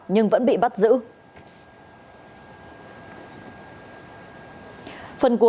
nhưng vẫn bị bắt giữ